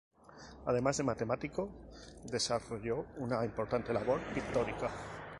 Además de matemático desarrolló una importante labor pictórica.